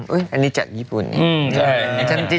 อุ๊ยอันนี้จดญี่ปุ่นนี่